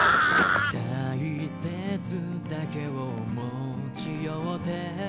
大切だけを持ち寄って